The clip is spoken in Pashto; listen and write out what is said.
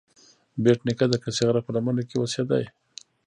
بېټ نیکه د کسي غره په لمنو کې اوسیده.